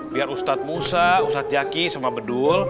biar ustaz musa ustaz jaki sama bedul